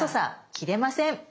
切れません。